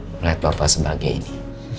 mengait bapak sebagai ini